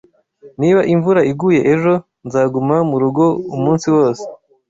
Niba imvura iguye ejo, nzaguma murugo umunsi wose.